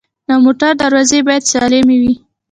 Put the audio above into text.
د موټر دروازې باید سالمې وي.